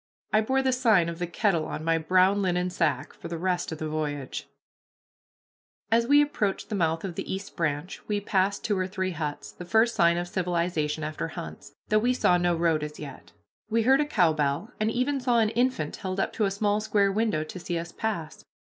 I bore the sign of the kettle on my brown linen sack for the rest of the voyage. [Illustration: Carrying round the Falls] As we approached the mouth of the East Branch we passed two or three huts, the first sign of civilization after Hunt's, though we saw no road as yet. We heard a cowbell, and even saw an infant held up to a small square window to see us pass.